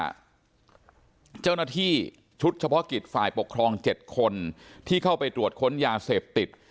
เจ้าหน้าที่ชุดเฉพาะกิจฝ่ายปกครอง๗คนที่เข้าไปตรวจค้นยาเสพติด